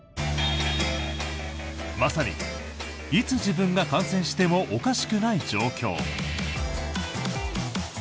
まさに、いつ自分が感染してもおかしくない状況。